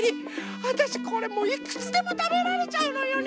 わたしこれもういくつでもたべられちゃうのよね。